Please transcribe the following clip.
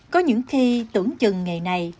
bán chừng nghề này